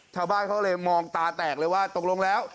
ชาวบ้านเขาเลยมองตาแตกเลยว่าตกลงแล้ว